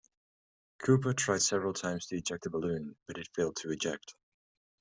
Cooper tried several times to eject the balloon, but it failed to eject.